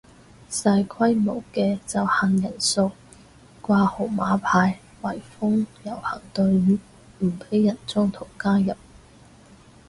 細規模嘅就限人數掛號碼牌圍封遊行隊伍唔俾人中途加入